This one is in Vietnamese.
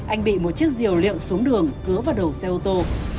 anh bị một chiếc diều liệu xuống đường cứa vào đầu xe ô tô